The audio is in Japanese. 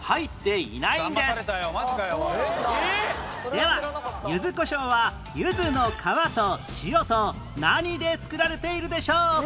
ではゆずこしょうはゆずの皮と塩と何で作られているでしょう？